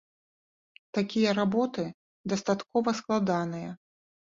Такія работы дастаткова складаныя.